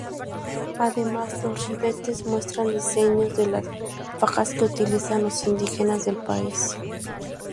Además, los ribetes muestran diseños de las fajas que utilizan los indígenas del país.